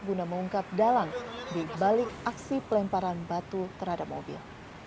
guna mengungkap dalang di balik aksi pelemparan batu terhadap mobil